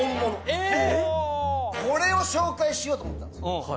これを紹介しようと思ったんですよ。